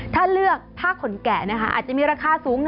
ถ้าเลือกผ้าขนแกะนะคะอาจจะมีราคาสูงหน่อย